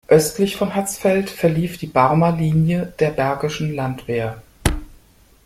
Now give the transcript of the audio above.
Östlich von Hatzfeld verlief die Barmer Linie der Bergischen Landwehr.